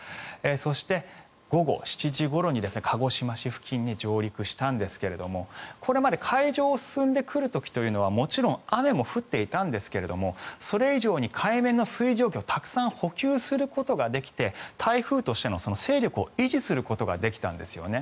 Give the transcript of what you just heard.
そして午後７時ごろに鹿児島市付近に上陸したんですがこれまで海上を進んでくる時というのはもちろん雨も降っていたんですがそれ以上に海面の水蒸気をたくさん補給することができて台風としての勢力を維持することができたんですね。